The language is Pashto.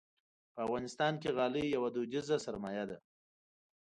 په افغانستان کې غالۍ یوه دودیزه سرمایه ده.